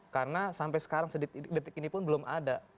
karena sampai sekarang sedikit detik ini pun belum ada